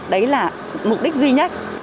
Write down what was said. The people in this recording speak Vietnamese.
đấy là mục đích duy nhất